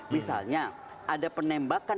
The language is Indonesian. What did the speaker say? misalnya ada penembakan